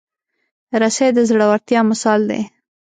رسۍ د زړورتیا مثال دی.